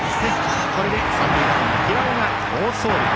これで三塁ランナー平尾が好走塁。